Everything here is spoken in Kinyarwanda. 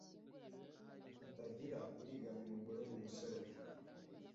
hatagira uriganya umugore wo mu busore bwe.